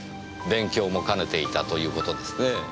勉強も兼ねていたということですねぇ。